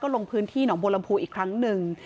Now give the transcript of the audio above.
ลงพื้นที่หนองบัวลำพูอีกครั้งหนึ่ง